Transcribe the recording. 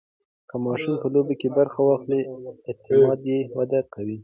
که ماشوم په لوبو کې برخه واخلي، اعتماد یې وده کوي.